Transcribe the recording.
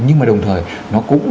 nhưng mà đồng thời nó không có hàng hóa